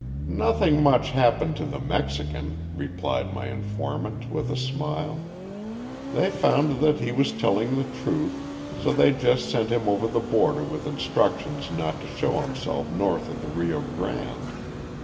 "Nothing much happened to the Mexican," replied my informant, with a smile. "They found that he was telling the truth, so they just sent him over the border with instructions not to show himself north of the Rio Grande.